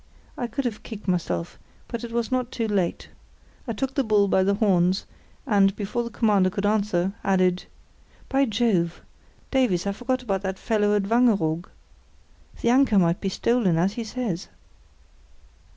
I could have kicked myself, but it was not too late. I took the bull by the horns, and, before the Commander could answer, added: "By Jove! Davies, I forgot about that fellow at Wangeroog. The anchor might be stolen, as he says."